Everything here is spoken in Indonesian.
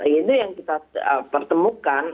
itu yang kita pertemukan